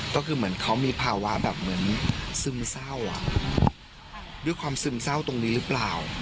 ก็คือเหมือนเขามีภาวะแบบเหมือนซึมเศร้าอ่ะด้วยความซึมเศร้าตรงนี้หรือเปล่า